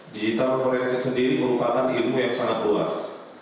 digital forensik sendiri merupakan ilmu yang sangat luas